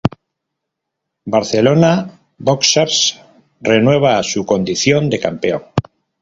Barcelona Boxers renueva su condición de campeón.